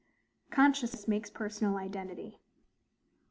Consciousness makes personal Identity.